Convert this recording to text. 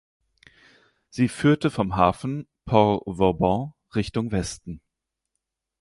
Sie führte vom Hafen (Port Vauban) Richtung Westen.